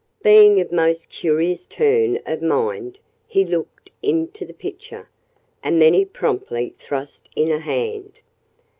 Being of a most curious turn of mind, he looked into the pitcher. And then he promptly thrust in a hand.